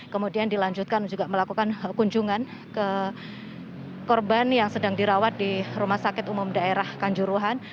kemudian dilanjutkan juga melakukan kunjungan ke korban yang sedang dirawat di rumah sakit umum daerah kanjuruhan